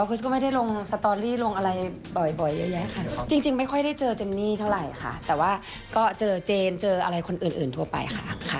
ก็เจอเจนเจอคุณอื่นอะไรทั่วไปค่ะ